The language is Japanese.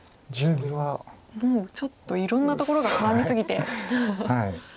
もうちょっといろんなところが絡み過ぎて。